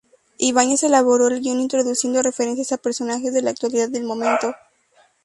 Ibáñez elaboró el guion introduciendo referencias a personajes de la actualidad del momento.